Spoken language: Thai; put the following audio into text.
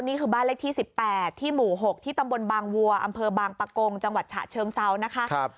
นี่คือบ้านเลขที่๑๘ที่หมู่๖ที่ตำบลบางวัวอำเภอบางปะโกงจังหวัดฉะเชิงเซานะคะ